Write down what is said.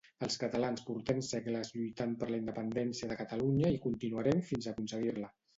Els catalans portem Segles lluitant per la independència de Catalunya i continuarem fins aconseguir-la